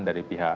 dari pihak dpr